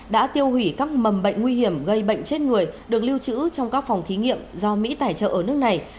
đã tiêu hủy các mầm bệnh nguy hiểm gây bệnh chết người được lưu trữ trong các phòng thí nghiệm do mỹ tài trợ ở nước này